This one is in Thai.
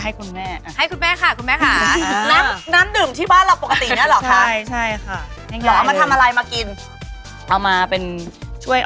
ว่าคุณแม่ว่างคู่บ้านมีปัญหาเรื่องแขนโอย